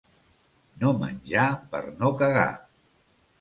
No menjar per no cagar.